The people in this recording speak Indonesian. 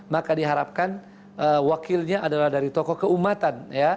maka diharapkan wakilnya adalah dari tokoh keumatan